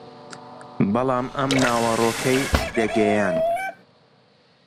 بەڵام ئەم ناوەڕۆکەی دەگەیاند